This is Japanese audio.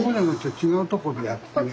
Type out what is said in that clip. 違うとこでやっててね